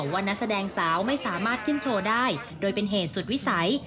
ว่านักแสดงสาวไม่สามารถขึ้นโชว์ได้โดยเป็นเหตุสุดวิสัย